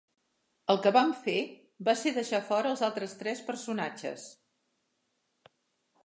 El que vam fer va ser deixar fora els altres tres personatges.